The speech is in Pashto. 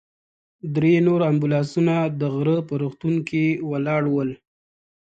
درې نور امبولانسونه د غره په روغتون کې ولاړ ول.